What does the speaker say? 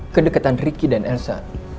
kedekatan ricky dan elsa